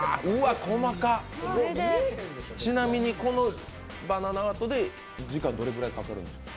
ちなみにこのバナナアートで時間、どれくらいかかるんですか？